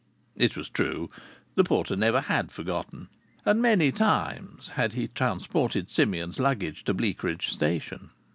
It was true the porter never had forgotten! And many times had he transported Simeon's luggage to Bleakridge Station.